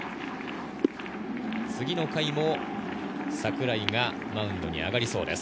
次の回も櫻井がマウンドに上がりそうです。